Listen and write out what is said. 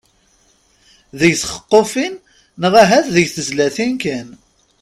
Deg txeqqufin neɣ ahat deg tezlatin kan.